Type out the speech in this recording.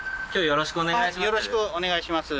よろしくお願いします。